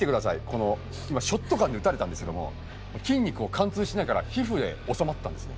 この今ショットガンで撃たれたんですけども筋肉を貫通しないから皮膚で収まったんですね。